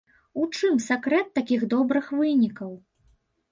У чым сакрэт такіх добрых вынікаў?